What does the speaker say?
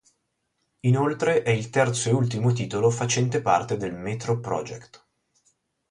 Inoltre è il terzo e ultimo titolo facente parte del "Metro Project".